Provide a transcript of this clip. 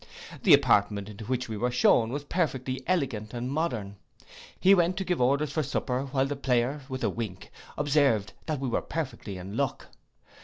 The apartment into which we were shewn was perfectly elegant and modern; he went to give orders for supper, while the player, with a wink, observed that we were perfectly in luck.